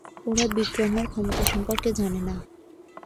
ওরা বিক্রমের ক্ষমতা সম্পর্কে জানে না।